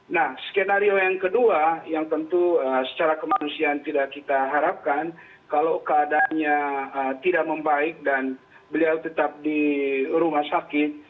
nah skenario yang kedua yang tentu secara kemanusiaan tidak kita harapkan kalau keadaannya tidak membaik dan beliau tetap di rumah sakit